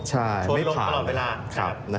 ใช่ไม่ผ่านโชนลงตลอดเวลา